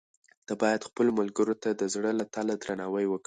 ته باید خپلو ملګرو ته د زړه له تله درناوی وکړې.